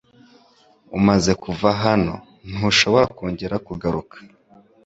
Umaze kuva hano, ntushobora kongera kugaruka.